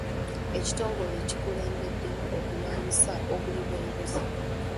Ekitongole kikulembeddemu okulwanyisa obuli bw'enguzi.